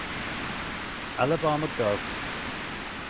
Alabama Gov.